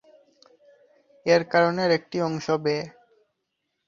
এর কারণের একটি অংশ ব্যয়।